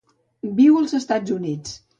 Viu als Estats Units.